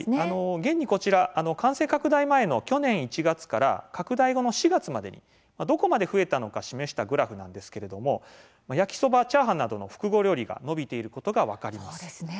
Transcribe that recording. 現にこちら感染拡大前の去年１月から感染拡大後の４月までどこまで増えたのか示したグラフなんですけれども焼きそばチャーハンなどの複合料理が伸びていることが分かります。